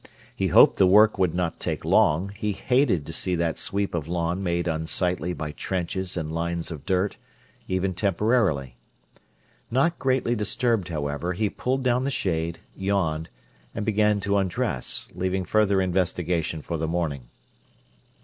He hoped the work would not take long; he hated to see that sweep of lawn made unsightly by trenches and lines of dirt, even temporarily. Not greatly disturbed, however, he pulled down the shade, yawned, and began to undress, leaving further investigation for the morning.